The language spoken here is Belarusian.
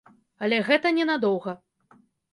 Але гэта не надоўга.